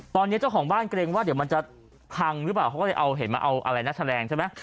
ตอนนี้เจ้าของบ้านเกรงว่าเดี๋ยวมันจะพังหรือเปล่าเขาก็เลยเอาเห็นมาเอาอะไรนะแฉลงใช่ไหม